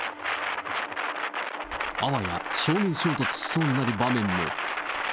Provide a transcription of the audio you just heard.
あわや正面衝突しそうになる場面も。